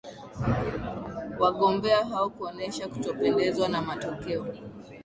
wagombea hao kuonesha kutopendezwa na matokeo